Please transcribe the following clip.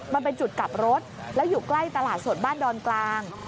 มันเป็นจุดกลับรถแล้วอยู่ใกล้ตลาดสดบ้านดอนกลาง